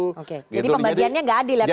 jadi pembagiannya gak adil ya kuenya